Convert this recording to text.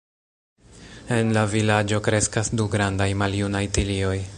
En la vilaĝo kreskas du grandaj maljunaj tilioj.